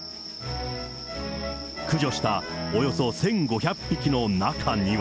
駆除したおよそ１５００匹の中には。